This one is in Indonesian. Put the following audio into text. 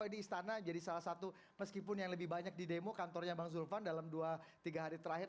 ini istana jadi salah satu meskipun yang lebih banyak di demo kantornya bang zulfan dalam dua tiga hari terakhir